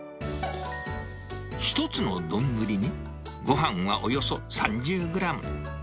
１つの丼に、ごはんがおよそ３０グラム。